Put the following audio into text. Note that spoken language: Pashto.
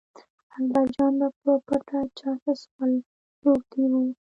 اکبرجان به په پټه چرس څښل روږدي و.